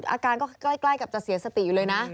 อาการก็ใกล้กับจะเสียสติอยู่เลยนะ